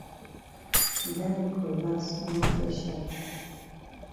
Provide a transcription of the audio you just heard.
Dat yi cutlass no fes sharp.